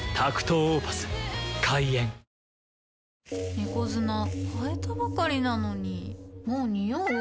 猫砂替えたばかりなのにもうニオう？